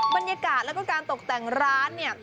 บรรยากาศแล้วก็การตกแต่งร้านเนี่ย